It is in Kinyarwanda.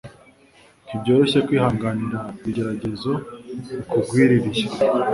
NTIBYOROSHYE kwihanganira ibigeragezo bikugwiririye